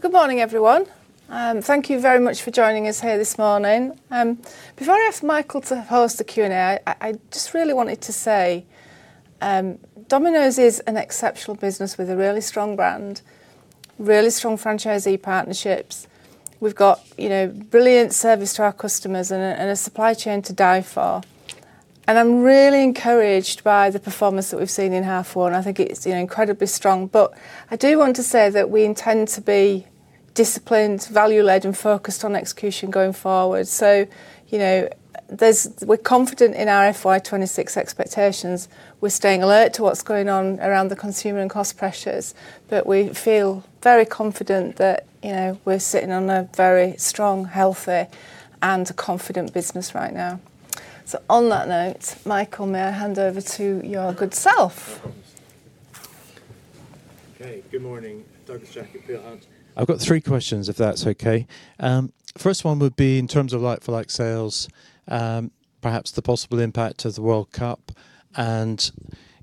Good morning, everyone. Thank you very much for joining us here this morning. Before I ask Michael to host the Q&A, I just really wanted to say Domino's is an exceptional business with a really strong brand, really strong franchisee partnerships. We've got brilliant service to our customers and a supply chain to die for. I'm really encouraged by the performance that we've seen in H1. I think it's incredibly strong. I do want to say that we intend to be disciplined, value-led, and focused on execution going forward. We're confident in our FY 2026 expectations. We're staying alert to what's going on around the consumer and cost pressures. We feel very confident that we're sitting on a very strong, healthy, and confident business right now. On that note, Michael, may I hand over to your good self? No problems. Good morning. Douglas Jack at Peel Hunt. I've got three questions, if that's okay. First one would be in terms of like-for-like sales, perhaps the possible impact of the World Cup and,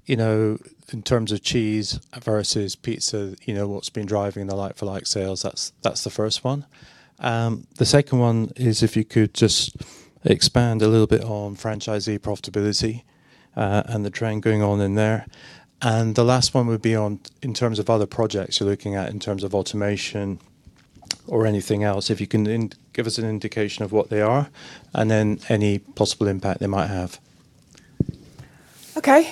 in terms of cheese versus pizza, what's been driving the like-for-like sales. That's the first one. The second one is if you could just expand a little bit on franchisee profitability, and the trend going on in there. The last one would be on, in terms of other projects you're looking at in terms of automation or anything else, if you can give us an indication of what they are, and then any possible impact they might have. I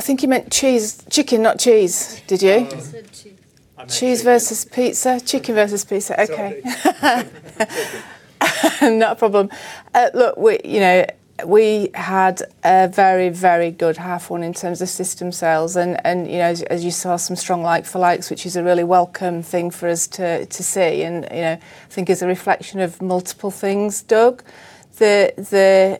think you meant chicken, not cheese. Did you? He said cheese. I meant chicken. Cheese versus pizza. Chicken versus pizza. Okay. Sorry. Pizza. Chicken. Not a problem. We had a very, very good H1 in terms of system sales. As you saw, some strong like-for-likes, which is a really welcome thing for us to see. I think it's a reflection of multiple things, Doug. The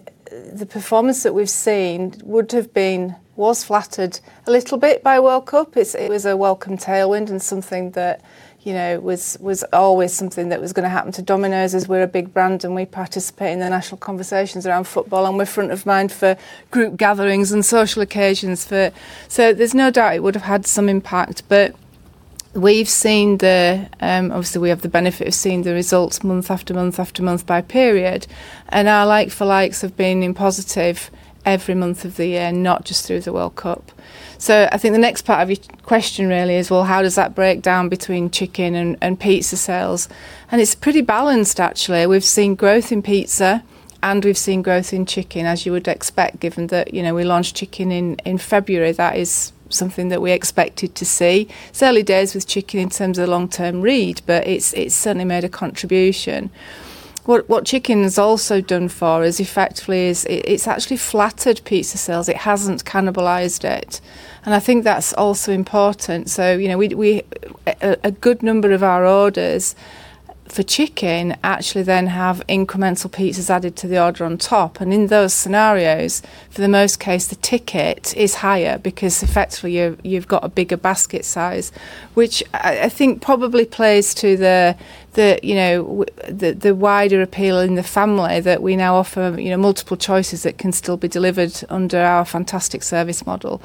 performance that we've seen was flattered a little bit by World Cup. It was a welcome tailwind and something that was always something that was going to happen to Domino's as we're a big brand. We participate in the national conversations around football. We're front of mind for group gatherings and social occasions for. There's no doubt it would have had some impact. Obviously, we have the benefit of seeing the results month after month after month by period, and our like-for-likes have been in positive every month of the year, not just through the World Cup. I think the next part of your question really is, how does that break down between chicken and pizza sales? It's pretty balanced, actually. We've seen growth in pizza. We've seen growth in chicken, as you would expect, given that we launched chicken in February. That is something that we expected to see. It's early days with chicken in terms of the long-term read, but it's certainly made a contribution. What chicken has also done for us effectively is it's actually flattered pizza sales. It hasn't cannibalized it. I think that's also important. A good number of our orders for chicken actually then have incremental pizzas added to the order on top. In those scenarios, for the most case, the ticket is higher because effectively you've got a bigger basket size, which I think probably plays to the wider appeal in the family that we now offer multiple choices that can still be delivered under our fantastic service model.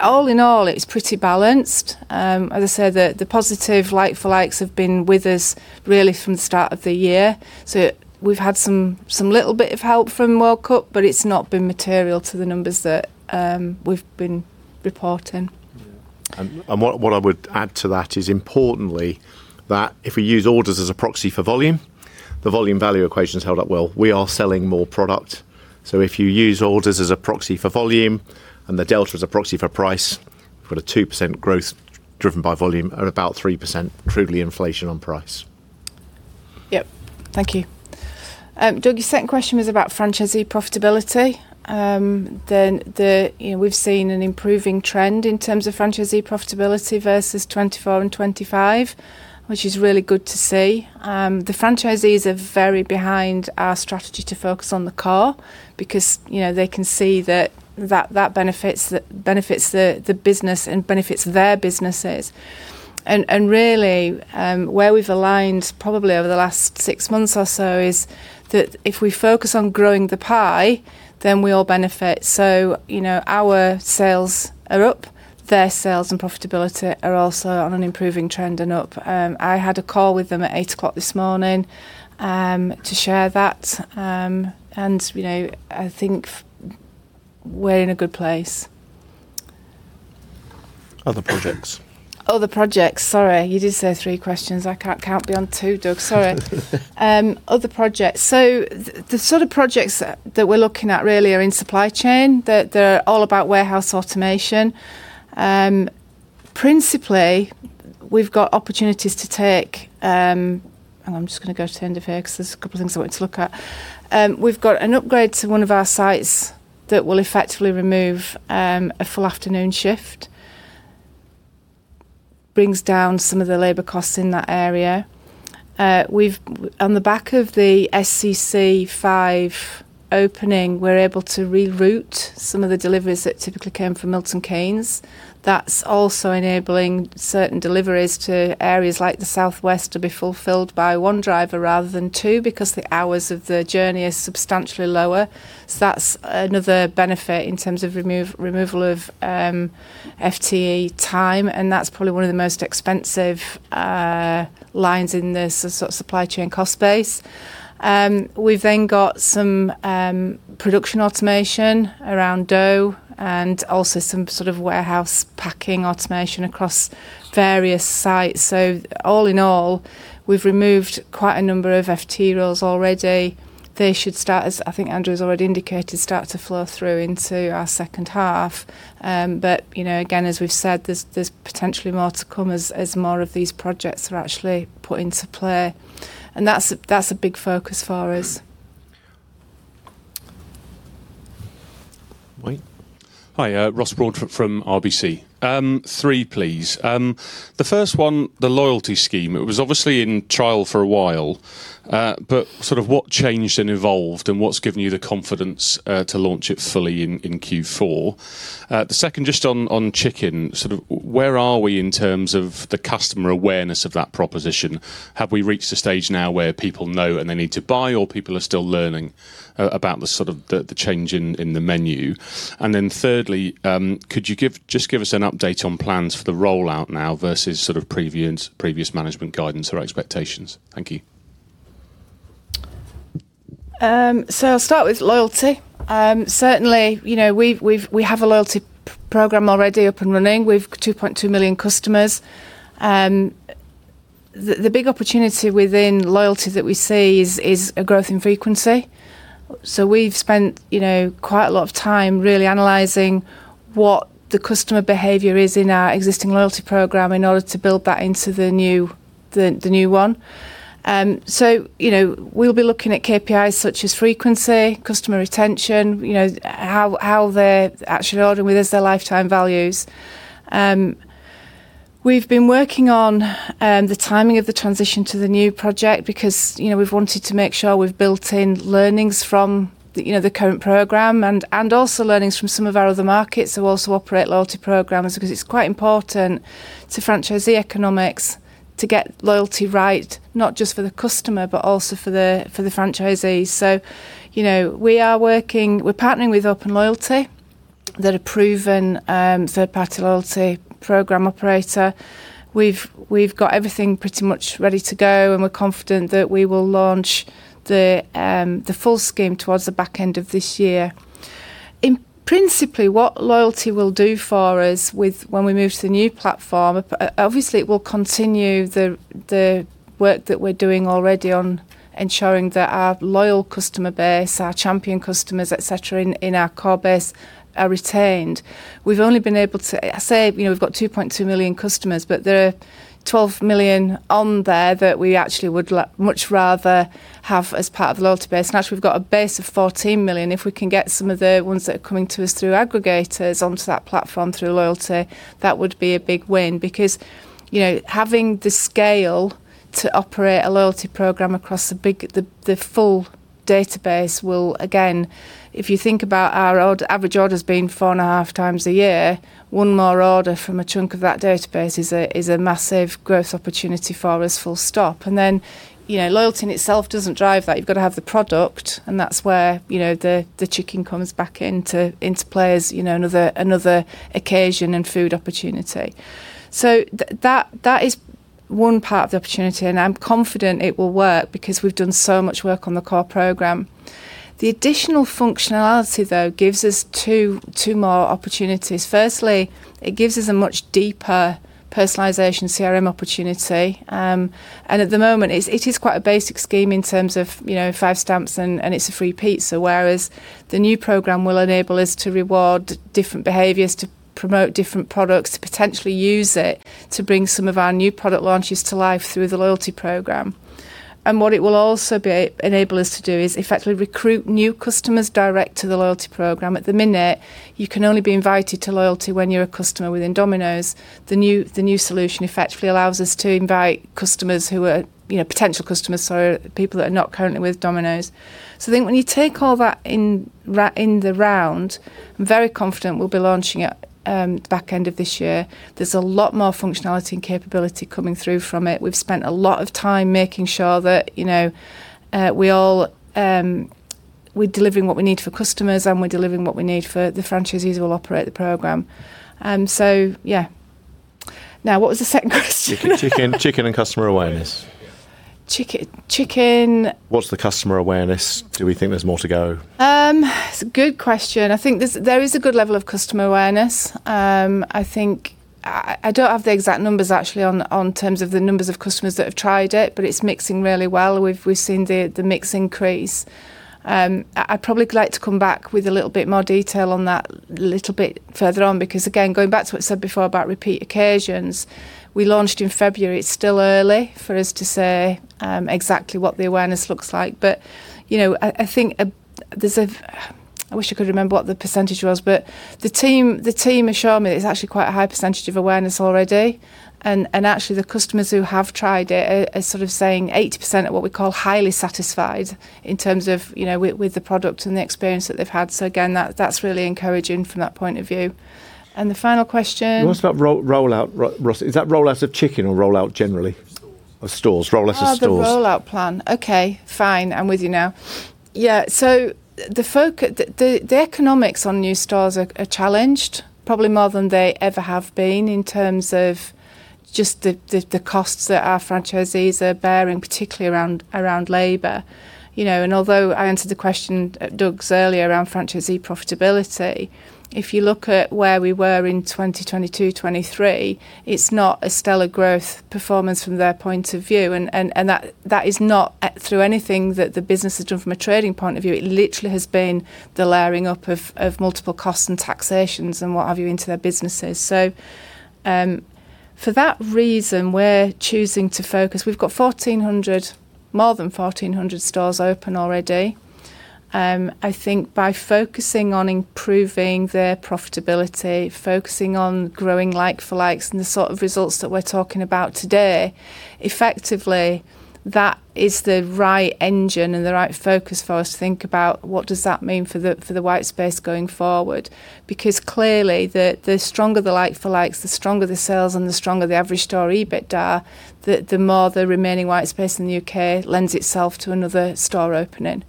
All in all, it's pretty balanced. As I said, the positive like-for-likes have been with us really from the start of the year. We've had some little bit of help from World Cup, but it's not been material to the numbers that we've been reporting. What I would add to that is, importantly, that if we use orders as a proxy for volume, the volume value equation has held up well. We are selling more product. If you use orders as a proxy for volume, the delta as a proxy for price, we've got a 2% growth driven by volume at about 3% truly inflation on price. Yep. Thank you. Doug, your second question was about franchisee profitability. We've seen an improving trend in terms of franchisee profitability versus 2024 and 2025, which is really good to see. The franchisees are very behind our strategy to focus on the core because they can see that benefits the business and benefits their businesses. Really, where we've aligned probably over the last six months or so is that if we focus on growing the pie, then we all benefit. Our sales are up. Their sales and profitability are also on an improving trend and up. I had a call with them at 8:00 A.M. this morning to share that, and I think we're in a good place. Other projects. Other projects. Sorry. You did say three questions. I can't be on two, Doug. Sorry. Other projects. The sort of projects that we're looking at really are in supply chain, that they're all about warehouse automation. Principally, we've got opportunities to take And I'm just going to go to end of here because there's a couple of things I wanted to look at. We've got an upgrade to one of our sites that will effectively remove a full afternoon shift. Brings down some of the labor costs in that area. On the back of the SCC5 opening, we're able to reroute some of the deliveries that typically came from Milton Keynes. That's also enabling certain deliveries to areas like the Southwest to be fulfilled by one driver rather than two because the hours of the journey are substantially lower. That's another benefit in terms of removal of FTE time, and that's probably one of the most expensive lines in this supply chain cost base. We've then got some production automation around dough and also some sort of warehouse packing automation across various sites. All in all, we've removed quite a number of FTE roles already. They should start as, I think Andrew has already indicated, start to flow through into our second half. Again, as we've said, there's potentially more to come as more of these projects are actually put into play. That's a big focus for us. [inaudible] Hi, Ross Broadfoot from RBC. Three, please. The first one, the loyalty scheme. It was obviously in trial for a while, what changed and evolved and what's given you the confidence to launch it fully in Q4? The second, just on chicken, where are we in terms of the customer awareness of that proposition? Have we reached a stage now where people know and they need to buy or people are still learning about the change in the menu? Thirdly, could you just give us an update on plans for the rollout now versus previous management guidance or expectations? Thank you. I'll start with loyalty. Certainly, we have a loyalty program already up and running with 2.2 million customers. The big opportunity within loyalty that we see is a growth in frequency. We've spent quite a lot of time really analyzing what the customer behavior is in our existing loyalty program in order to build that into the new one. We'll be looking at KPIs such as frequency, customer retention, how they're actually ordering with us, their lifetime values. We've been working on the timing of the transition to the new project because we've wanted to make sure we've built in learnings from the current program and also learnings from some of our other markets who also operate loyalty programs, because it's quite important to franchisee economics to get loyalty right, not just for the customer, but also for the franchisee. We're partnering with Open Loyalty. They're a proven third-party loyalty program operator. We've got everything pretty much ready to go, we're confident that we will launch the full scheme towards the back end of this year. In principle, what loyalty will do for us when we move to the new platform, obviously it will continue the work that we're doing already on ensuring that our loyal customer base, our champion customers, et cetera, in our core base are retained. I say we've got 2.2 million customers, there are 12 million on there that we actually would much rather have as part of the loyalty base. If we've got a base of 14 million, if we can get some of the ones that are coming to us through aggregators onto that platform through loyalty, that would be a big win. Having the scale to operate a loyalty program across the full database will, again, if you think about our average orders being 4.5x a year, one more order from a chunk of that database is a massive growth opportunity for us, full stop. Loyalty in itself doesn't drive that. You've got to have the product, that's where the chicken comes back into play as another occasion and food opportunity. That is one part of the opportunity, I'm confident it will work because we've done so much work on the core program. The additional functionality, though, gives us two more opportunities. Firstly, it gives us a much deeper personalization CRM opportunity. At the moment, it is quite a basic scheme in terms of five stamps and it's a free pizza, whereas the new program will enable us to reward different behaviors, to promote different products, to potentially use it to bring some of our new product launches to life through the loyalty program. What it will also enable us to do is effectively recruit new customers direct to the loyalty program. At the minute, you can only be invited to loyalty when you're a customer within Domino's. The new solution effectively allows us to invite potential customers, so people that are not currently with Domino's. When you take all that in the round, I'm very confident we'll be launching it back end of this year. There's a lot more functionality and capability coming through from it. We've spent a lot of time making sure that we're delivering what we need for customers and we're delivering what we need for the franchisees who will operate the program. Yeah. What was the second question? Chicken and customer awareness. Chicken. What's the customer awareness? Do we think there's more to go? It's a good question. I think there is a good level of customer awareness. I don't have the exact numbers actually in terms of the numbers of customers that have tried it, but it's mixing really well. We've seen the mix increase. I'd probably like to come back with a little bit more detail on that a little bit further on, because again, going back to what I said before about repeat occasions, we launched in February. It's still early for us to say exactly what the awareness looks like. I think, I wish I could remember what the percentage was, but the team are showing me that it's actually quite a high percentage of awareness already. Actually, the customers who have tried it are sort of saying 80% are what we call highly satisfied in terms of with the product and the experience that they've had. Again, that's really encouraging from that point of view. The final question? What about rollout? Is that rollout of chicken or rollout generally? Of stores, rollout of stores? The rollout plan. Okay, fine. I'm with you now. The economics on new stores are challenged, probably more than they ever have been in terms of just the costs that our franchisees are bearing, particularly around labor. Although I answered the question at Doug's earlier around franchisee profitability, if you look at where we were in 2022, 2023, it's not a stellar growth performance from their point of view. That is not through anything that the business has done from a trading point of view. It literally has been the layering up of multiple costs and taxations and what have you into their businesses. For that reason, we're choosing to focus. We've got more than 1,400 stores open already. By focusing on improving their profitability, focusing on growing like-for-likes and the sort of results that we're talking about today, effectively, that is the right engine and the right focus for us to think about what does that mean for the white space going forward. Because clearly the stronger the like-for-likes, the stronger the sales and the stronger the average store EBITDA, the more the remaining white space in the U.K. lends itself to another store opening.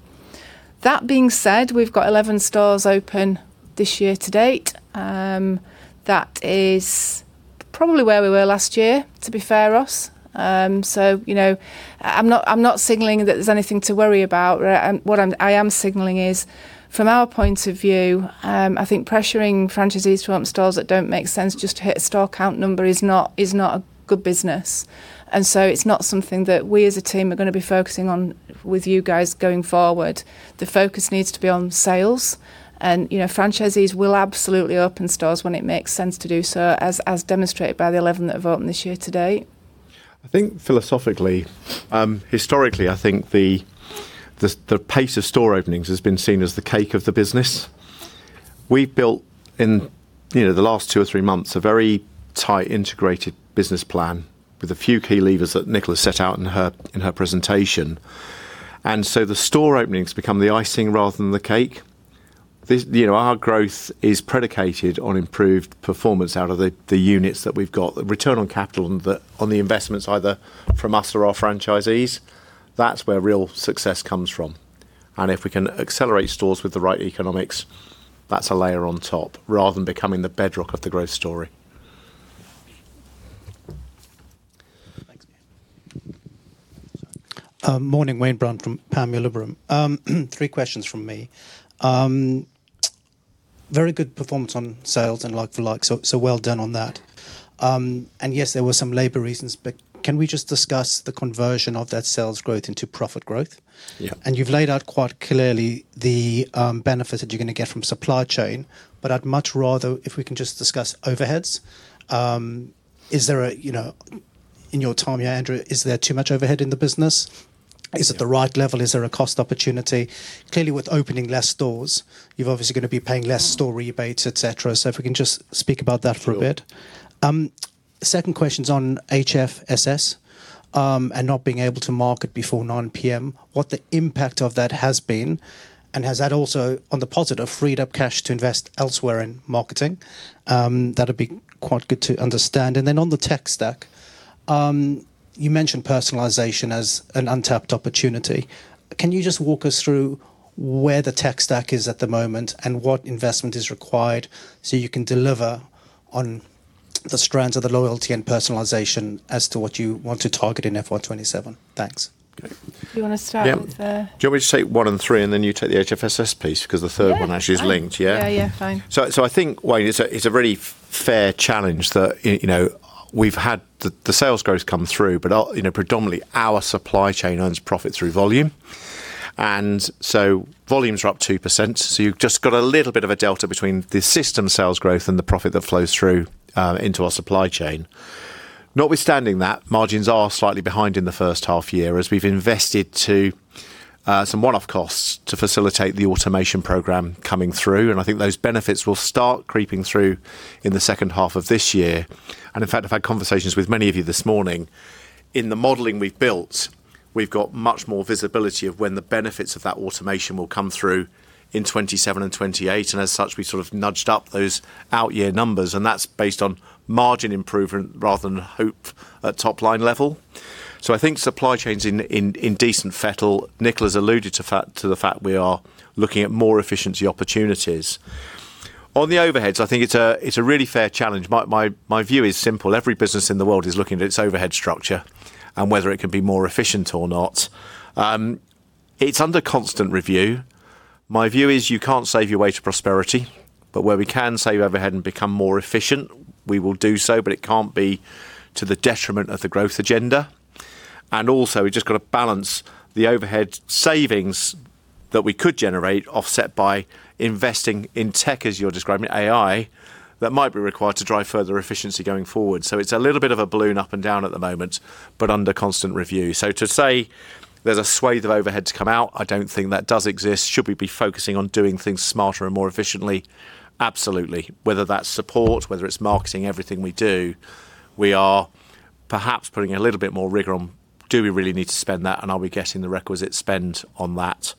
That being said, we've got 11 stores open this year to date. That is probably where we were last year, to be fair to us. I'm not signaling that there's anything to worry about. What I am signaling is from our point of view, I think pressuring franchisees to open stores that don't make sense just to hit a store count number is not a good business. It's not something that we as a team are going to be focusing on with you guys going forward. The focus needs to be on sales, and franchisees will absolutely open stores when it makes sense to do so, as demonstrated by the 11 that have opened this year to date. I think philosophically, historically, I think the pace of store openings has been seen as the cake of the business. We've built in the last two or three months, a very tight, integrated business plan with a few key levers that Nicola set out in her presentation. The store openings become the icing rather than the cake. Our growth is predicated on improved performance out of the units that we've got, the return on capital and on the investments, either from us or our franchisees. That's where real success comes from. If we can accelerate stores with the right economics, that's a layer on top rather than becoming the bedrock of the growth story. Thanks. Morning, Wayne Brown from Panmure Liberum. Three questions from me. Very good performance on sales and like-for-likes, well done on that. Yes, there were some labor reasons, can we just discuss the conversion of that sales growth into profit growth? Yeah. You've laid out quite clearly the benefits that you're going to get from supply chain. I'd much rather, if we can just discuss overheads. In your time here, Andrew, is there too much overhead in the business? Is it the right level? Is there a cost opportunity? Clearly, with opening less stores, you've obviously going to be paying less store rebates, et cetera. If you can just speak about that for a bit? Sure. Second question's on HFSS, not being able to market before 9:00 P.M. What the impact of that has been, has that also, on the positive, freed up cash to invest elsewhere in marketing? That would be quite good to understand. On the tech stack, you mentioned personalization as an untapped opportunity. Can you just walk us through where the tech stack is at the moment and what investment is required so you can deliver on the strands of the loyalty and personalization as to what you want to target in FY 2027? Thanks. Do you want to start with the- Do you want me to take one and three, then you take the HFSS piece? The third one actually is linked. Yeah. Fine. I think, Wayne, it's a really fair challenge that we've had the sales growth come through, but predominantly our supply chain earns profit through volume. Volumes are up 2%, so you've just got a little bit of a delta between the system sales growth and the profit that flows through into our supply chain. Notwithstanding that, margins are slightly behind in the first half year as we've invested to some one-off costs to facilitate the automation program coming through, and I think those benefits will start creeping through in the second half of this year. In fact, I've had conversations with many of you this morning. In the modeling we've built, we've got much more visibility of when the benefits of that automation will come through in 2027 and 2028. As such, we sort of nudged up those out year numbers, and that's based on margin improvement rather than hope at top line level. I think supply chain's in decent fettle. Nicola's alluded to the fact we are looking at more efficiency opportunities. On the overheads, I think it's a really fair challenge. My view is simple. Every business in the world is looking at its overhead structure and whether it can be more efficient or not. It's under constant review. My view is you can't save your way to prosperity, but where we can save overhead and become more efficient, we will do so, but it can't be to the detriment of the growth agenda. Also, we've just got to balance the overhead savings that we could generate offset by investing in tech, as you're describing it, AI, that might be required to drive further efficiency going forward. It's a little bit of a balloon up and down at the moment, but under constant review. To say there's a swathe of overhead to come out, I don't think that does exist. Should we be focusing on doing things smarter and more efficiently? Absolutely. Whether that's support, whether it's marketing, everything we do, we are perhaps putting a little bit more rigor on do we really need to spend that and are we getting the requisite spend on that?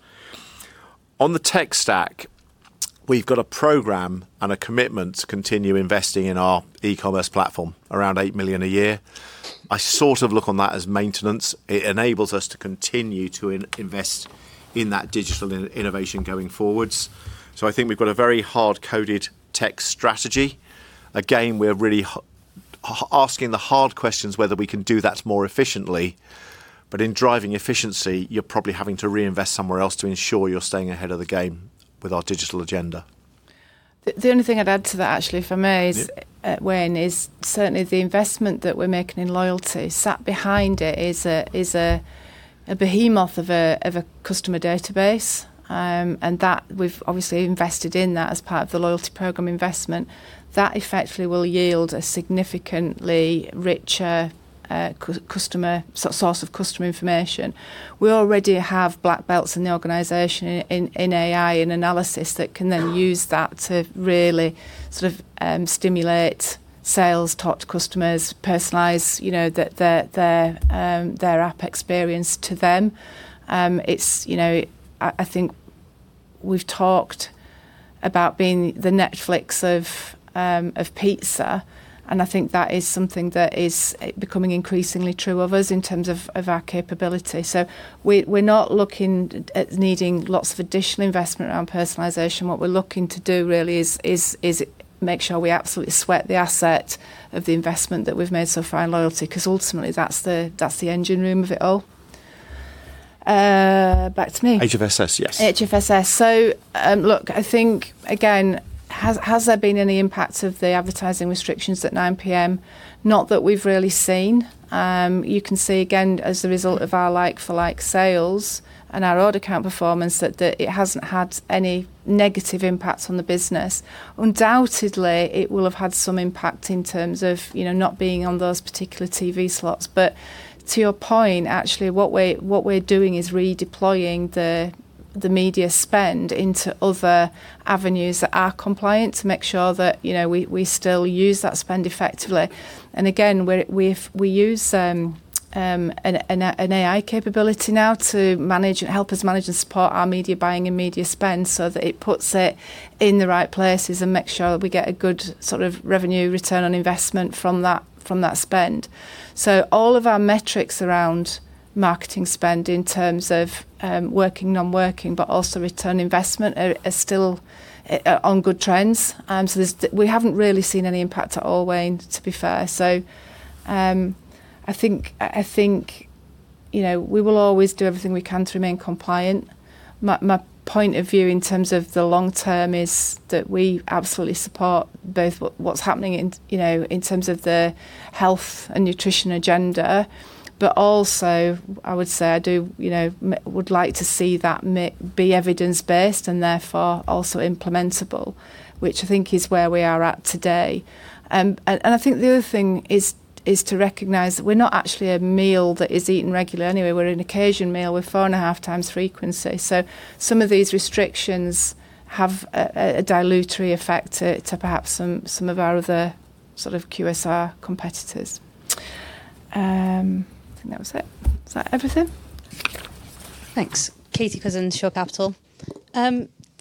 On the tech stack, we've got a program and a commitment to continue investing in our e-commerce platform around 8 million a year. I sort of look on that as maintenance. It enables us to continue to invest in that digital innovation going forwards. I think we've got a very hard-coded tech strategy. Again, we're really asking the hard questions whether we can do that more efficiently, in driving efficiency, you're probably having to reinvest somewhere else to ensure you're staying ahead of the game with our digital agenda. The only thing I'd add to that actually, for me, Wayne, is certainly the investment that we're making in loyalty, sat behind it is a behemoth of a customer database. That we've obviously invested in that as part of the loyalty program investment. That effectively will yield a significantly richer source of customer information. We already have black belts in the organization in AI and analysis that can then use that to really sort of stimulate sales, talk to customers, personalize their app experience to them. I think we've talked about being the Netflix of pizza, and I think that is something that is becoming increasingly true of us in terms of our capability. We're not looking at needing lots of additional investment around personalization. What we're looking to do really is make sure we absolutely sweat the asset of the investment that we've made so far in loyalty, because ultimately that's the engine room of it all. Back to me? HFSS, yes. HFSS. Look, I think, again, has there been any impact of the advertising restrictions at 9:00 P.M.? Not that we've really seen. You can see, again, as a result of our like-for-like sales and our order count performance, that it hasn't had any negative impacts on the business. Undoubtedly, it will have had some impact in terms of not being on those particular TV slots. To your point, actually, what we're doing is redeploying the media spend into other avenues that are compliant to make sure that we still use that spend effectively. Again, we use an AI capability now to help us manage and support our media buying and media spend so that it puts it in the right places and makes sure that we get a good sort of revenue return on investment from that spend. All of our metrics around marketing spend in terms of working, non-working, but also return on investment are still on good trends. We haven't really seen any impact at all, Wayne, to be fair. I think we will always do everything we can to remain compliant. My point of view in terms of the long term is that we absolutely support both what's happening in terms of the health and nutrition agenda, but also, I would say I would like to see that be evidence-based and therefore also implementable, which I think is where we are at today. I think the other thing is to recognize that we're not actually a meal that is eaten regularly anyway. We're an occasion meal. We're 4.5x frequency. Some of these restrictions have a dilutory effect to perhaps some of our other sort of QSR competitors. I think that was it. Is that everything? Thanks. Katie Cousins, Shore Capital.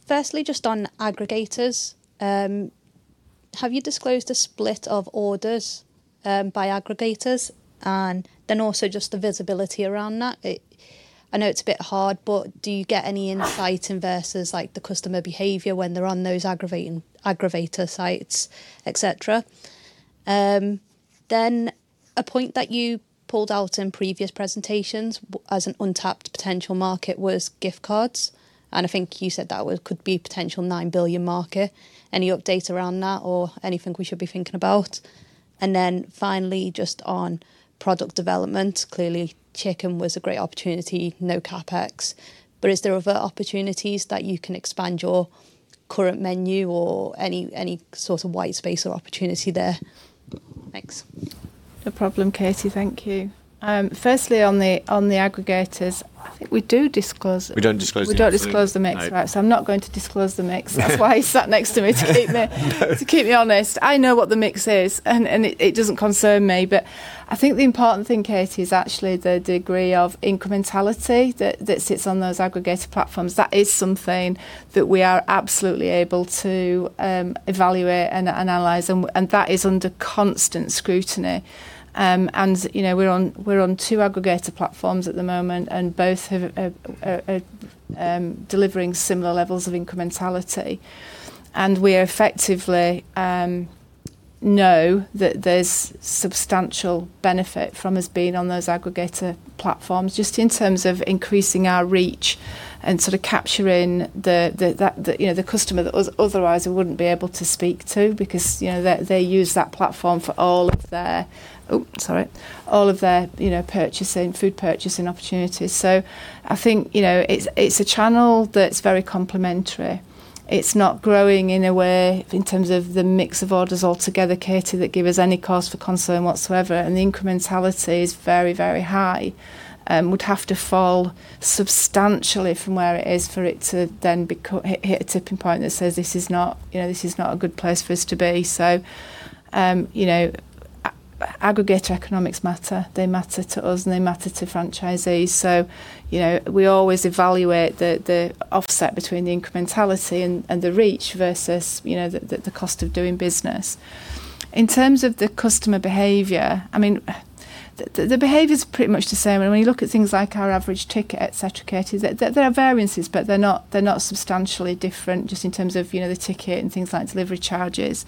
Firstly, just on aggregators, have you disclosed a split of orders by aggregators? Then also just the visibility around that. I know it's a bit hard, but do you get any insight versus, like the customer behavior when they're on those aggregator sites, et cetera? A point that you pulled out in previous presentations as an untapped potential market was gift cards, and I think you said that could be a potential 9 billion market. Any update around that or anything we should be thinking about? Finally, just on product development. Clearly, chicken was a great opportunity, no CapEx, but is there other opportunities that you can expand your current menu or any sort of white space or opportunity there? Thanks. No problem, Katie. Thank you. Firstly, on the aggregators, I think we do disclose. We don't disclose the mix. Right. No. We don't disclose the mix. I'm not going to disclose the mix. That's why he's sat next to me to keep me honest. I know what the mix is, and it doesn't concern me. I think the important thing, Katie, is actually the degree of incrementality that sits on those aggregator platforms. That is something that we are absolutely able to evaluate and analyze, and that is under constant scrutiny. We're on two aggregator platforms at the moment, and both are delivering similar levels of incrementality. We effectively know that there's substantial benefit from us being on those aggregator platforms just in terms of increasing our reach and sort of capturing the customer that otherwise we wouldn't be able to speak to because they use that platform for all of their purchasing, food purchasing opportunities. I think it's a channel that's very complementary. It's not growing in a way in terms of the mix of orders altogether, Katie, that give us any cause for concern whatsoever, and the incrementality is very, very high. Would have to fall substantially from where it is for it to then hit a tipping point that says, "This is not a good place for us to be." Aggregator economics matter. They matter to us, and they matter to franchisees. We always evaluate the offset between the incrementality and the reach versus the cost of doing business. In terms of the customer behavior, the behavior is pretty much the same. When you look at things like our average ticket, et cetera, Katie, there are variances, but they're not substantially different just in terms of the ticket and things like delivery charges.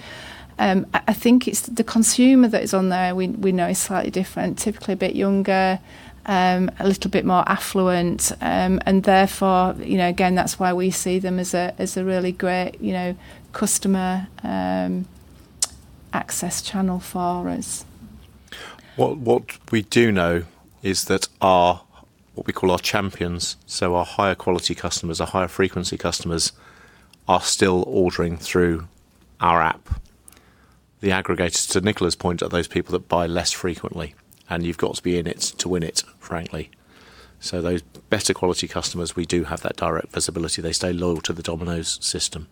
I think it's the consumer that is on there we know is slightly different, typically a bit younger, a little bit more affluent. Therefore, again, that's why we see them as a really great customer access channel for us. What we do know is that our, what we call our champions, so our higher quality customers, our higher frequency customers, are still ordering through our app. The aggregators, to Nicola's point, are those people that buy less frequently, you've got to be in it to win it, frankly. Those better quality customers, we do have that direct visibility. They stay loyal to the Domino's system.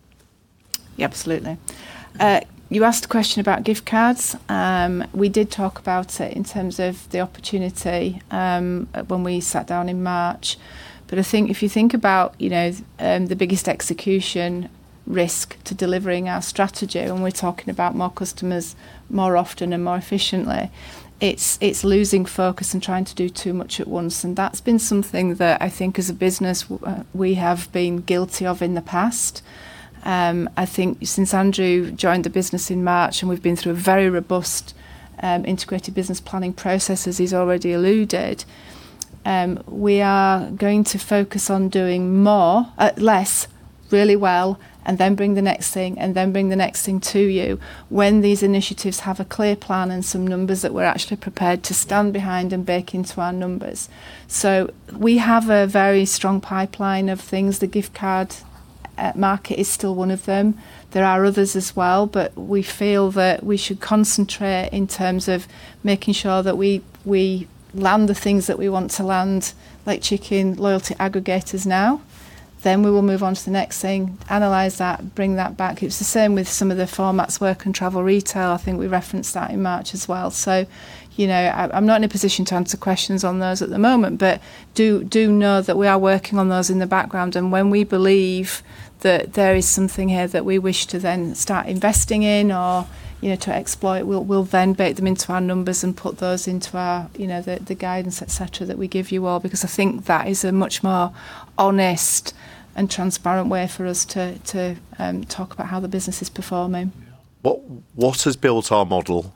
Yeah, absolutely. You asked a question about gift cards. We did talk about it in terms of the opportunity when we sat down in March. If you think about the biggest execution risk to delivering our strategy when we're talking about more customers, more often and more efficiently, it's losing focus and trying to do too much at once. That's been something that I think as a business we have been guilty of in the past. I think since Andrew joined the business in March, we've been through a very robust integrated business planning process, as he's already alluded, we are going to focus on doing less really well, then bring the next thing, then bring the next thing to you when these initiatives have a clear plan and some numbers that we're actually prepared to stand behind and bake into our numbers. We have a very strong pipeline of things. The gift card market is still one of them. There are others as well, we feel that we should concentrate in terms of making sure that we land the things that we want to land, like chicken, loyalty aggregators now. We will move on to the next thing, analyze that, bring that back. It's the same with some of the formats, work and travel retail. I think we referenced that in March as well. I'm not in a position to answer questions on those at the moment. Do know that we are working on those in the background, and when we believe that there is something here that we wish to then start investing in or to exploit, we'll then bake them into our numbers and put those into the guidance, etcetera, that we give you all, because I think that is a much more honest and transparent way for us to talk about how the business is performing. What has built our model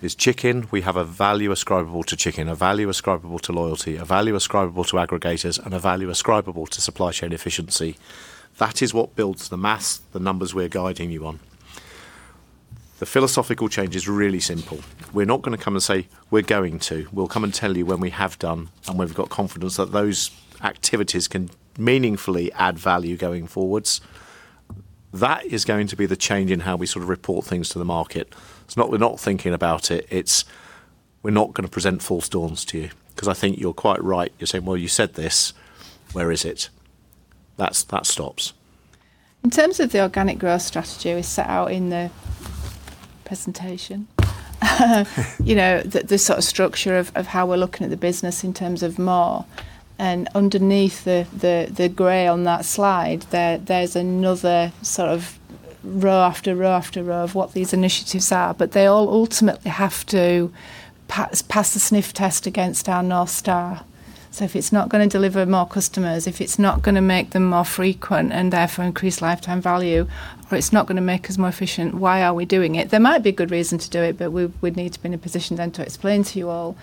is chicken. We have a value ascribable to chicken, a value ascribable to loyalty, a value ascribable to aggregators, and a value ascribable to supply chain efficiency. That is what builds the mass, the numbers we're guiding you on. The philosophical change is really simple. We're not going to come and say, "We're going to." We'll come and tell you when we have done, and we've got confidence that those activities can meaningfully add value going forward. That is going to be the change in how we sort of report things to the market. It's not we're not thinking about it. It's we're not going to present false dawns to you because I think you're quite right. You're saying, "You said this. Where is it?" That stops. In terms of the organic growth strategy we set out in the presentation, the sort of structure of how we're looking at the business in terms of more, and underneath the gray on that slide, there's another sort of row after row after row of what these initiatives are. They all ultimately have to pass the sniff test against our North Star. If it's not going to deliver more customers, if it's not going to make them more frequent and therefore increase lifetime value, or it's not going to make us more efficient, why are we doing it? There might be a good reason to do it, but we would need to be in a position then to explain to you all.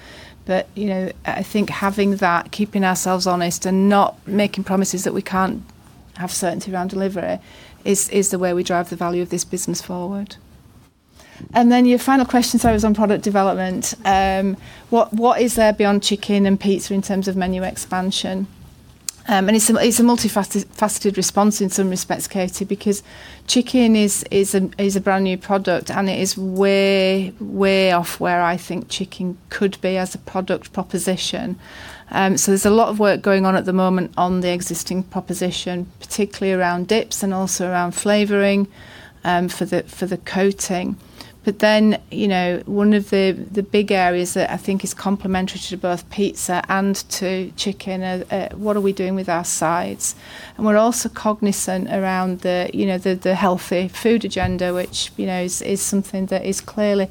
I think having that, keeping ourselves honest, and not making promises that we can't have certainty around delivery is the way we drive the value of this business forward. Your final question, sorry, was on product development. What is there beyond chicken and pizza in terms of menu expansion? It's a multifaceted response in some respects, Katie, because chicken is a brand new product, and it is way off where I think chicken could be as a product proposition. There's a lot of work going on at the moment on the existing proposition, particularly around dips and also around flavoring for the coating. One of the big areas that I think is complementary to both pizza and to chicken, what are we doing with our sides? We're also cognizant around the healthy food agenda, which is something that is clearly,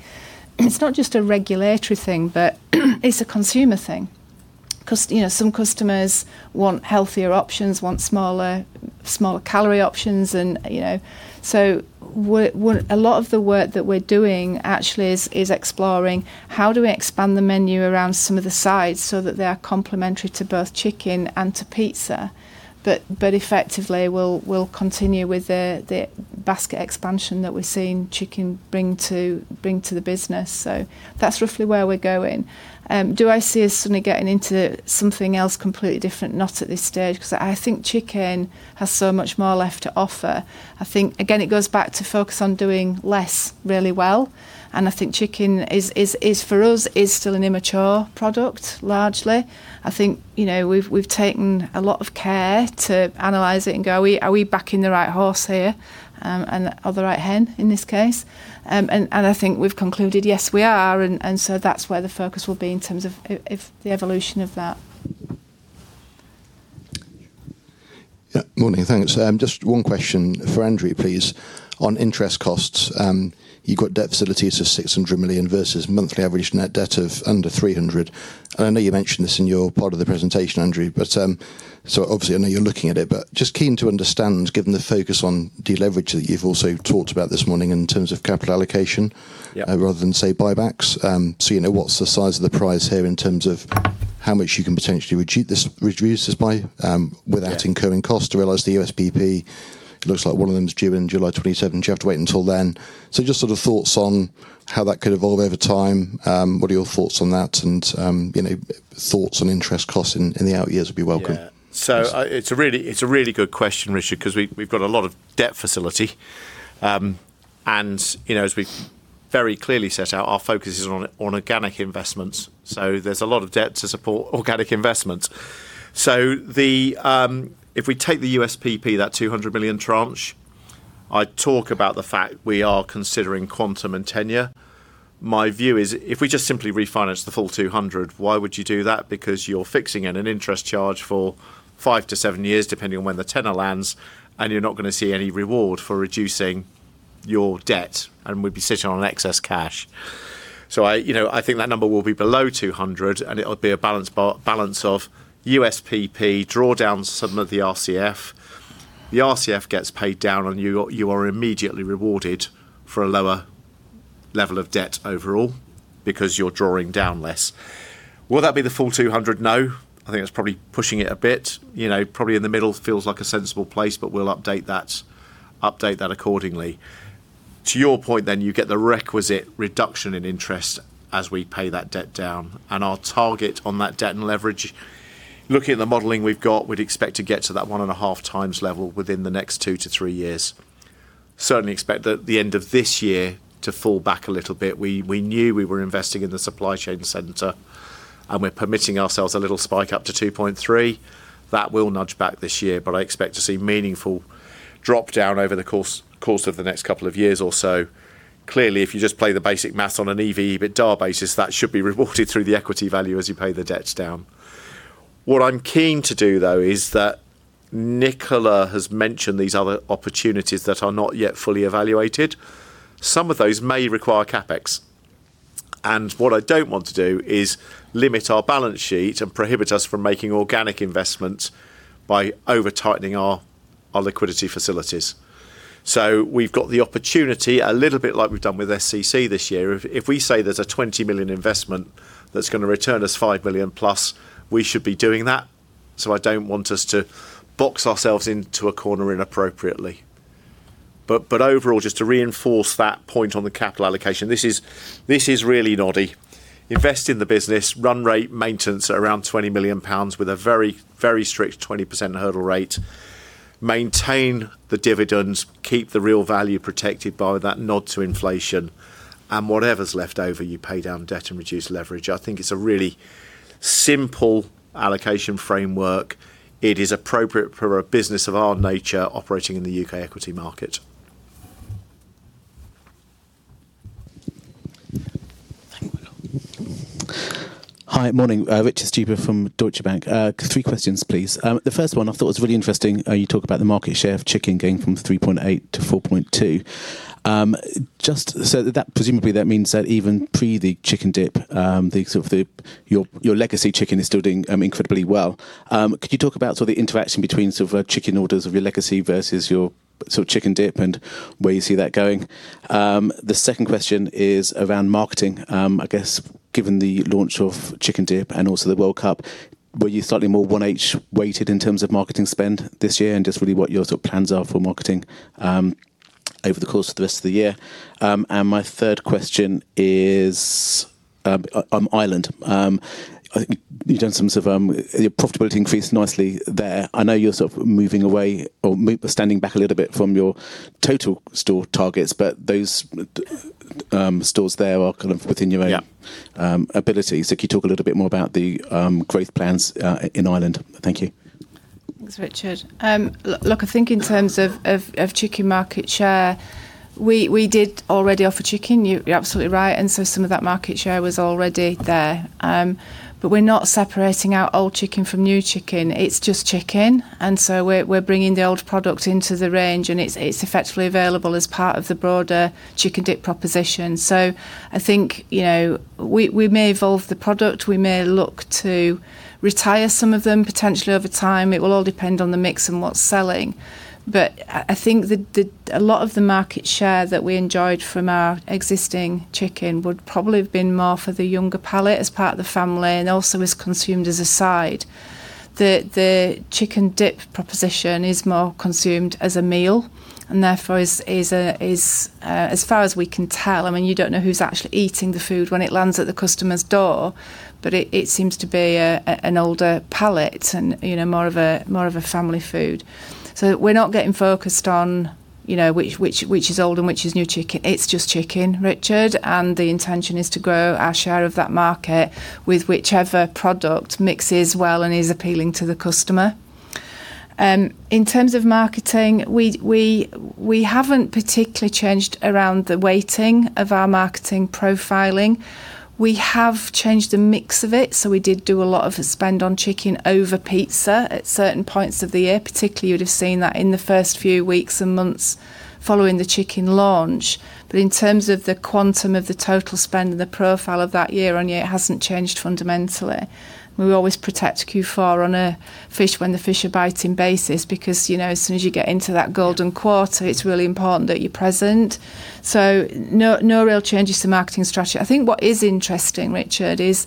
it's not just a regulatory thing, but it's a consumer thing. Some customers want healthier options, want smaller calorie options. A lot of the work that we're doing actually is exploring how do we expand the menu around some of the sides so that they are complementary to both chicken and to pizza, but effectively will continue with the basket expansion that we're seeing chicken bring to the business. That's roughly where we're going. Do I see us suddenly getting into something else completely different? Not at this stage, because I think chicken has so much more left to offer. I think, again, it goes back to focus on doing less really well, and I think chicken for us is still an immature product, largely. I think we've taken a lot of care to analyze it and go, "Are we backing the right horse here?" Or the right hen, in this case. I think we've concluded, yes, we are. That's where the focus will be in terms of if the evolution of that. Yeah. Morning. Thanks. Just one question for Andrew, please. On interest costs, you've got debt facilities of 600 million versus monthly average net debt of under 300 million. I know you mentioned this in your part of the presentation, Andrew, obviously I know you're looking at it, but just keen to understand, given the focus on deleverage that you've also talked about this morning in terms of capital allocation- Yeah rather than, say, buybacks. What's the size of the prize here in terms of how much you can potentially reduce this by without incurring cost? I realize the USPP, it looks like one of them is due in July 2027. Do you have to wait until then? Just sort of thoughts on how that could evolve over time. What are your thoughts on that and thoughts on interest costs in the out years would be welcome. It's a really good question, Richard, because we've got a lot of debt facility. As we very clearly set out, our focus is on organic investments. There's a lot of debt to support organic investments. If we take the USPP, that 200 million tranche, I talk about the fact we are considering quantum and tenure. My view is, if we just simply refinance the full 200, why would you do that? Because you're fixing in an interest charge for five to seven years, depending on when the tenor lands, and you're not going to see any reward for reducing your debt, and we'd be sitting on excess cash. I think that number will be below 200, and it'll be a balance of USPP, draw down some of the RCF. The RCF gets paid down on you. You are immediately rewarded for a lower level of debt overall because you're drawing down less. Will that be the full 200? No. I think that's probably pushing it a bit. Probably in the middle feels like a sensible place, but we'll update that accordingly. To your point then, you get the requisite reduction in interest as we pay that debt down, and our target on that debt and leverage, looking at the modeling we've got, we'd expect to get to that 1.5x level within the next two to three years. Certainly expect the end of this year to fall back a little bit. We knew we were investing in the supply chain center, and we're permitting ourselves a little spike up to 2.3x. That will nudge back this year, but I expect to see meaningful drop down over the course of the next couple of years or so. Clearly, if you just play the basic maths on an EV/EBITDA basis, that should be rewarded through the equity value as you pay the debts down. What I'm keen to do, though, is that Nicola has mentioned these other opportunities that are not yet fully evaluated. Some of those may require CapEx. What I don't want to do is limit our balance sheet and prohibit us from making organic investments by over-tightening our liquidity facilities. We've got the opportunity, a little bit like we've done with SCC this year. If we say there's a 20 million investment that's going to return us 5 million plus, we should be doing that. I don't want us to box ourselves into a corner inappropriately. Overall, just to reinforce that point on the capital allocation, this is really noddy. Invest in the business, run rate maintenance at around 20 million pounds with a very strict 20% hurdle rate, maintain the dividends, keep the real value protected by that nod to inflation, whatever's left over, you pay down debt and reduce leverage. I think it's a really simple allocation framework. It is appropriate for a business of our nature operating in the U.K. equity market. Thank you, Richard. Hi. Morning. Richard Stuber from Deutsche Bank. Three questions, please. The first one I thought was really interesting. You talk about the market share of chicken going from 3.8%-4.2%. Presumably, that means that even pre the CHICK 'N' DIP, your legacy chicken is still doing incredibly well. Could you talk about sort of the interaction between sort of chicken orders of your legacy versus your sort of CHICK 'N' DIP and where you see that going? The second question is around marketing. I guess given the launch of CHICK 'N' DIP and also the World Cup, were you slightly more 1H-weighted in terms of marketing spend this year and just really what your sort of plans are for marketing over the course of the rest of the year? My third question is on Ireland. Your profitability increased nicely there. I know you're sort of moving away or standing back a little bit from your total store targets, those stores there are kind of within your own abilities. Could you talk a little bit more about the growth plans in Ireland? Thank you. Thanks, Richard. Look, I think in terms of chicken market share, we did already offer chicken. You're absolutely right. Some of that market share was already there. We're not separating our old chicken from new chicken. It's just chicken. We're bringing the old product into the range, and it's effectively available as part of the broader CHICK 'N' DIP proposition. I think we may evolve the product. We may look to retire some of them potentially over time. It will all depend on the mix and what's selling. I think a lot of the market share that we enjoyed from our existing chicken would probably have been more for the younger palate as part of the family, and also is consumed as a side. The CHICK 'N' DIP proposition is more consumed as a meal, and therefore is, as far as we can tell, I mean, you don't know who's actually eating the food when it lands at the customer's door, but it seems to be an older palate and more of a family food. We're not getting focused on which is old and which is new chicken. It's just chicken, Richard. The intention is to grow our share of that market with whichever product mixes well and is appealing to the customer. In terms of marketing, we haven't particularly changed around the weighting of our marketing profiling. We have changed the mix of it, so we did do a lot of spend on chicken over pizza at certain points of the year. Particularly, you'd have seen that in the first few weeks and months following the chicken launch. In terms of the quantum of the total spend and the profile of that year-on-year, it hasn't changed fundamentally. We always protect Q4 on a fish when the fish are biting basis because as soon as you get into that golden quarter, it's really important that you're present. No real changes to marketing strategy. I think what is interesting, Richard, is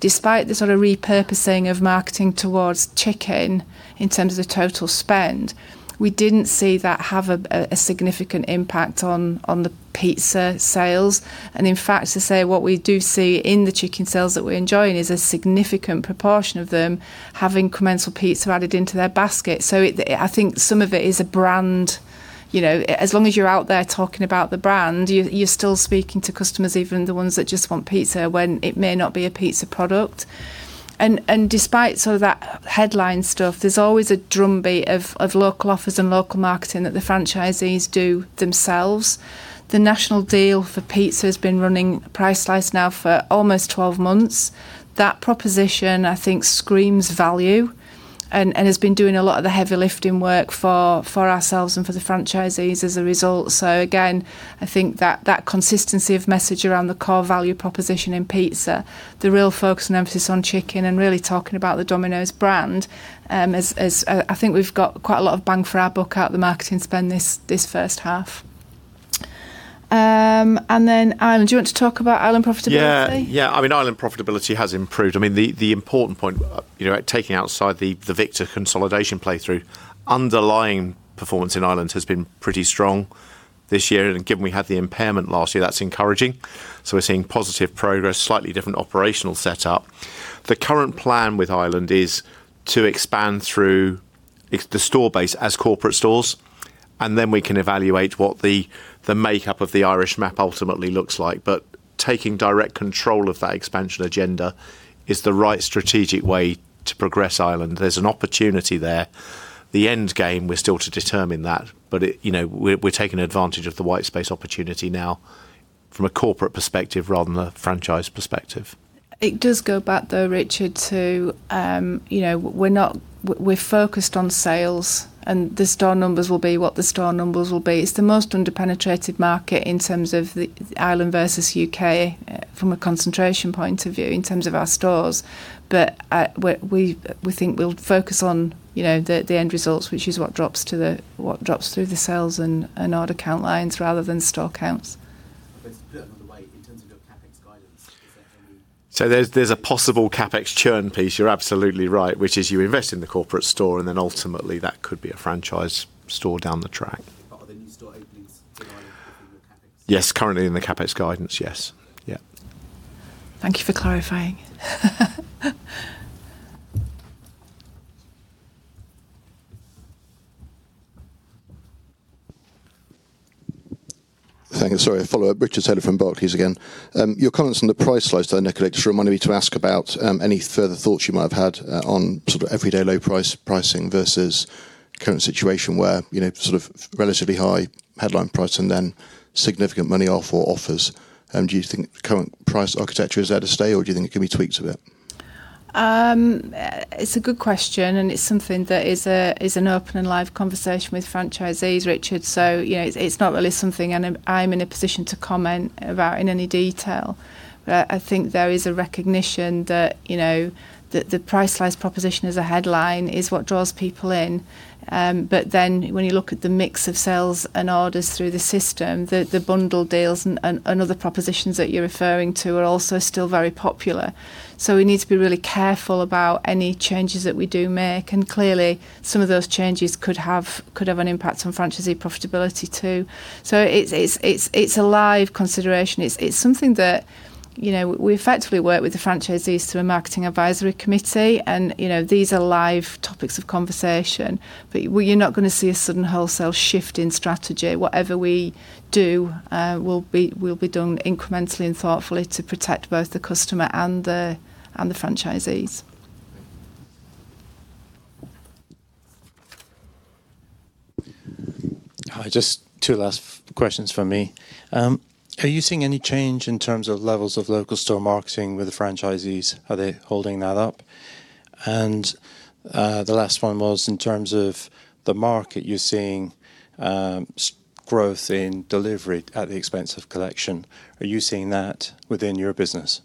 despite the sort of repurposing of marketing towards chicken in terms of total spend, we didn't see that have a significant impact on the pizza sales. In fact, to say what we do see in the chicken sales that we're enjoying is a significant proportion of them have incremental pizza added into their basket. I think some of it is a brand, as long as you're out there talking about the brand, you're still speaking to customers, even the ones that just want pizza when it may not be a pizza product. Despite some of that headline stuff, there's always a drumbeat of local offers and local marketing that the franchisees do themselves. The national deal for pizza has been running price-wise now for almost 12 months. That proposition, I think, screams value and has been doing a lot of the heavy lifting work for ourselves and for the franchisees as a result. Again, I think that consistency of message around the core value proposition in pizza, the real focus and emphasis on chicken, and really talking about the Domino's brand, I think we've got quite a lot of bang for our buck out of the marketing spend this first half. Then Ireland, do you want to talk about Ireland profitability? Ireland profitability has improved. The important point, taking outside the Victa consolidation play through, underlying performance in Ireland has been pretty strong this year, and given we had the impairment last year, that's encouraging. We're seeing positive progress, slightly different operational setup. The current plan with Ireland is to expand through the store base as corporate stores, and then we can evaluate what the makeup of the Irish map ultimately looks like. Taking direct control of that expansion agenda is the right strategic way to progress Ireland. There's an opportunity there. We're still to determine that, we're taking advantage of the white space opportunity now from a corporate perspective rather than a franchise perspective. It does go back though, Richard, to we're focused on sales and the store numbers will be what the store numbers will be. It's the most under-penetrated market in terms of the Ireland versus U.K. from a concentration point of view in terms of our stores. We think we'll focus on the end results, which is what drops through the sales and order count lines rather than store counts. Put another way, in terms of your CapEx guidance, is there any- There's a possible CapEx churn piece, you're absolutely right, which is you invest in the corporate store, ultimately, that could be a franchise store down the track. Are the new store openings lying within your CapEx? Yes, currently in the CapEx guidance, yes. Thank you for clarifying. Thank you. Sorry, a follow-up. Richard Taylor from Barclays again. Your comments on the price slides there, Nicola, just reminded me to ask about any further thoughts you might have had on everyday low pricing versus current situation where sort of relatively high headline price and then significant money off or offers. Do you think the current price architecture is there to stay, or do you think there can be tweaks a bit? It's a good question, it's something that is an open and live conversation with franchisees, Richard. It's not really something I'm in a position to comment about in any detail. I think there is a recognition that the price-wise proposition as a headline is what draws people in. When you look at the mix of sales and orders through the system, the bundle deals and other propositions that you're referring to are also still very popular. We need to be really careful about any changes that we do make, and clearly, some of those changes could have an impact on franchisee profitability, too. It's a live consideration. It's something that we effectively work with the franchisees through a marketing advisory committee, these are live topics of conversation. You're not going to see a sudden wholesale shift in strategy. Whatever we do will be done incrementally and thoughtfully to protect both the customer and the franchisees. Thank you. Hi, just two last questions from me. Are you seeing any change in terms of levels of local store marketing with the franchisees? Are they holding that up? The last one was, in terms of the market you're seeing growth in delivery at the expense of collection. Are you seeing that within your business?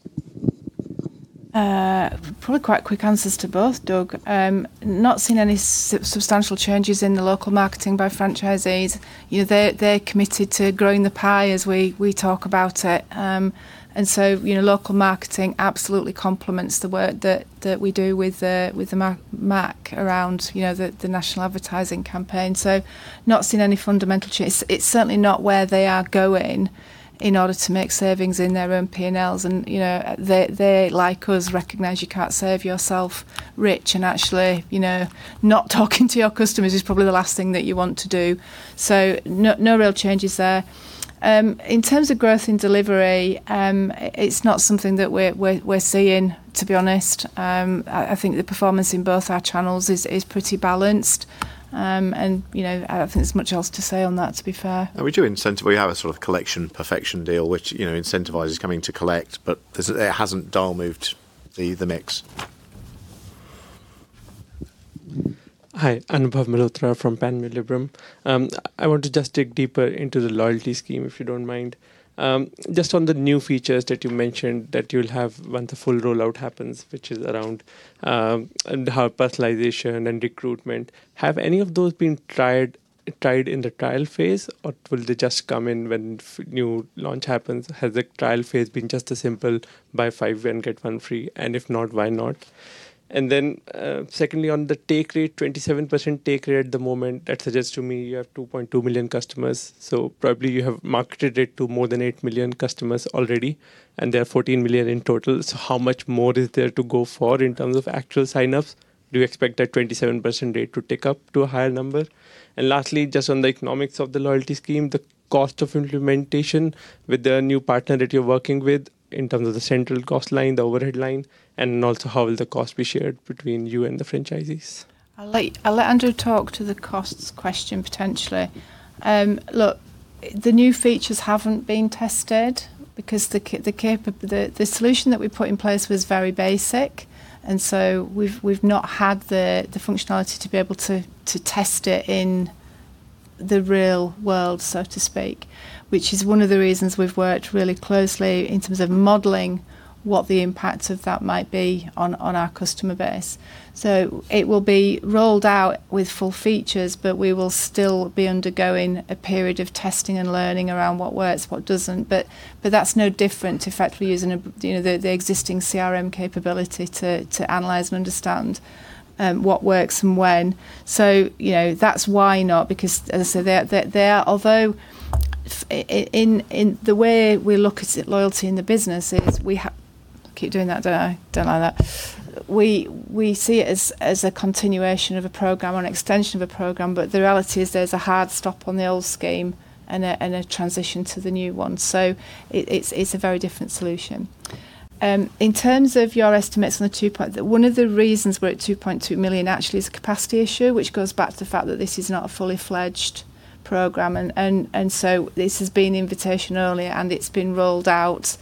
Probably quite quick answers to both, Doug. Not seen any substantial changes in the local marketing by franchisees. They're committed to growing the pie as we talk about it. Local marketing absolutely complements the work that we do with the MAC around the national advertising campaign. Not seen any fundamental change. It's certainly not where they are going in order to make savings in their own P&Ls. They, like us, recognize you can't save yourself rich, and actually, not talking to your customers is probably the last thing that you want to do. No real changes there. In terms of growth in delivery, it's not something that we're seeing, to be honest. I think the performance in both our channels is pretty balanced. I don't think there's much else to say on that, to be fair. Richard, we have a sort of Collection Perfection deal, which incentivizes coming to collect, it hasn't dial moved the mix. Hi, Anubhav Malhotra from Panmure Liberum. I want to just dig deeper into the loyalty scheme, if you don't mind. Just on the new features that you mentioned that you'll have once the full rollout happens, which is around, how personalization and recruitment, have any of those been tried in the trial phase, or will they just come in when new launch happens? Has the trial phase been just a simple buy five and get one free? If not, why not? Secondly, on the take rate, 27% take rate at the moment, that suggests to me you have 2.2 million customers. Probably you have marketed it to more than 8 million customers already, and there are 14 million in total. How much more is there to go for in terms of actual sign-ups? Do you expect that 27% rate to tick up to a higher number? Lastly, just on the economics of the loyalty scheme, the cost of implementation with the new partner that you're working with in terms of the central cost line, the overhead line, and also how will the cost be shared between you and the franchisees? I'll let Andrew talk to the costs question, potentially. Look, the new features haven't been tested because the solution that we put in place was very basic, we've not had the functionality to be able to test it in the real world, so to speak, which is one of the reasons we've worked really closely in terms of modeling what the impacts of that might be on our customer base. It will be rolled out with full features, we will still be undergoing a period of testing and learning around what works, what doesn't. That's no different to effectively using the existing CRM capability to analyze and understand what works and when. That's why not because, as I say, although the way we look at loyalty in the business is. We see it as a continuation of a program or an extension of a program. The reality is there's a hard stop on the old scheme and a transition to the new one. It's a very different solution. In terms of your estimates on the two point, one of the reasons we're at 2.2 million actually is a capacity issue, which goes back to the fact that this is not a fully fledged program. This has been invitation only, and it's been rolled out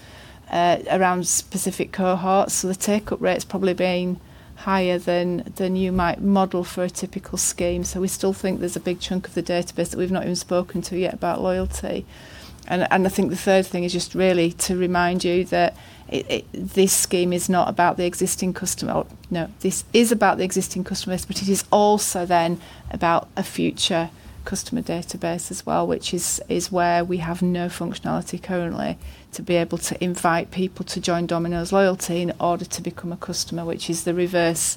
around specific cohorts. The take-up rate's probably been higher than you might model for a typical scheme. We still think there's a big chunk of the database that we've not even spoken to yet about loyalty. I think the third thing is just really to remind you that this scheme is not about the existing. This is about the existing customers, it is also then about a future customer database as well, which is where we have no functionality currently to be able to invite people to join Domino's Rewards in order to become a customer, which is the reverse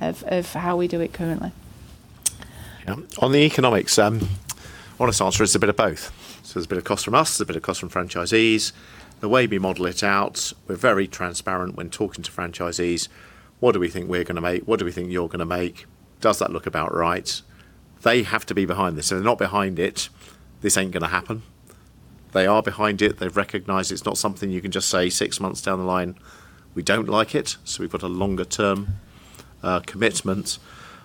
of how we do it currently. Yeah. On the economics, honest answer is a bit of both. There's a bit of cost from us, there's a bit of cost from franchisees. The way we model it out, we're very transparent when talking to franchisees. What do we think we're going to make? What do we think you're going to make? Does that look about right? They have to be behind this. If they're not behind it, this ain't going to happen. They are behind it. They've recognized it's not something you can just say six months down the line, "We don't like it," we've got a longer-term commitment.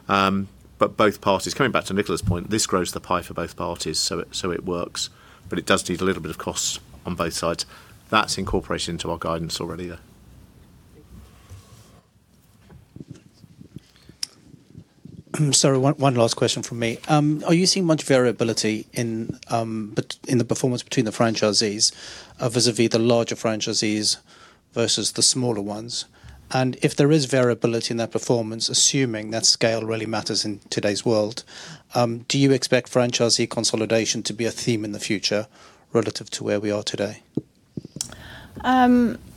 Both parties, coming back to Nicola's point, this grows the pie for both parties, it works, it does need a little bit of cost on both sides. That's incorporated into our guidance already, though. Thank you. Sorry, one last question from me. Are you seeing much variability in the performance between the franchisees, vis-à-vis the larger franchisees versus the smaller ones? If there is variability in that performance, assuming that scale really matters in today's world, do you expect franchisee consolidation to be a theme in the future relative to where we are today?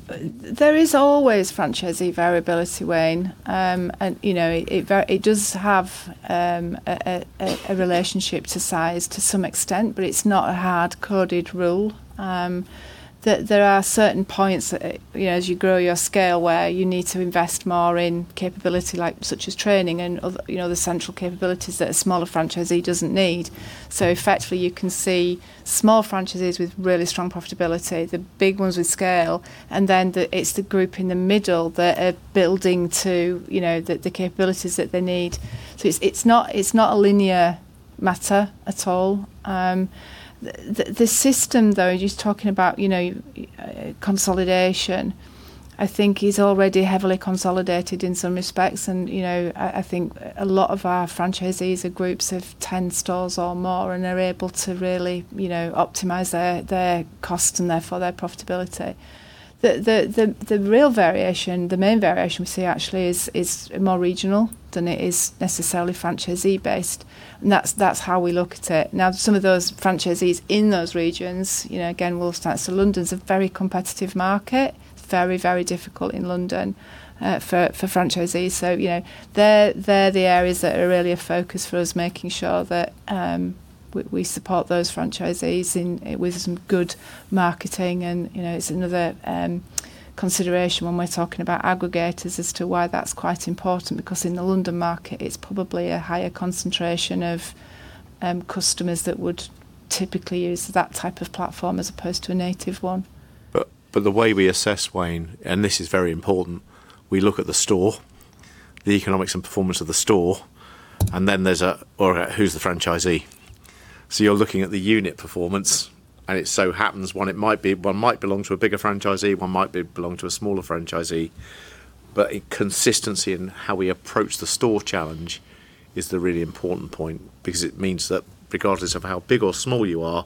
There is always franchisee variability, Wayne. It does have a relationship to size to some extent. It's not a hard-coded rule. There are certain points, as you grow your scale, where you need to invest more in capability such as training and the central capabilities that a smaller franchisee doesn't need. Effectively, you can see small franchises with really strong profitability, the big ones with scale, and then it's the group in the middle that are building to the capabilities that they need. It's not a linear matter at all. The system, though, you're talking about consolidation, I think is already heavily consolidated in some respects. I think a lot of our franchisees are groups of 10 stores or more, and they're able to really optimize their cost and therefore their profitability. The real variation, the main variation we see actually is more regional than it is necessarily franchisee based. That's how we look at it. Now, some of those franchisees in those regions, again, we'll start. London's a very competitive market. Very, very difficult in London for franchisees. They're the areas that are really a focus for us, making sure that we support those franchisees with some good marketing. It's another consideration when we're talking about aggregators as to why that's quite important. In the London market, it's probably a higher concentration of customers that would typically use that type of platform as opposed to a native one. The way we assess, Wayne, this is very important, we look at the store, the economics and performance of the store, and then there's a, all right, who's the franchisee? You're looking at the unit performance, and it so happens one might belong to a bigger franchisee, one might belong to a smaller franchisee. A consistency in how we approach the store challenge is the really important point because it means that regardless of how big or small you are,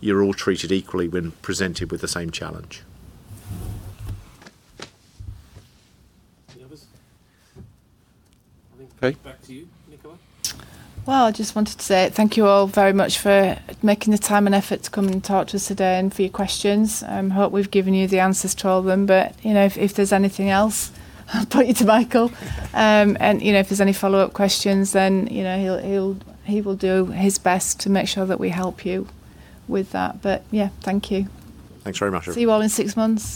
you're all treated equally when presented with the same challenge. Any others? Okay. I think back to you, Nicola. Well, I just wanted to say thank you all very much for making the time and effort to come and talk to us today and for your questions. I hope we've given you the answers to all of them. If there's anything else, I'll point you to Michael. If there's any follow-up questions, he will do his best to make sure that we help you with that. Yeah, thank you. Thanks very much, everyone. See you all in six months.